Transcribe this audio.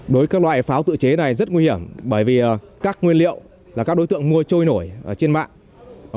đối với các loại pháo tự chế này rất nguy hiểm bởi vì các nguyên liệu là các đối tượng mua trôi nổi trên mạng